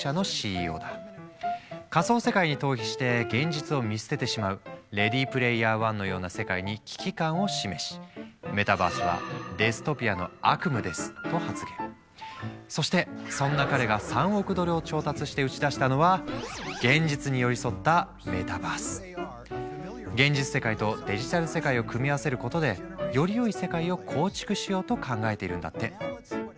仮想世界に逃避して現実を見捨ててしまう「レディ・プレイヤー１」のような世界に危機感を示しそしてそんな彼が３億ドルを調達して打ち出したのは現実世界とデジタル世界を組み合わせることでよりよい世界を構築しようと考えているんだって。